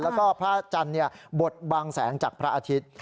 แล้วก็ภาชันเนี่ยบดบังแสงจากพระอาทิตย์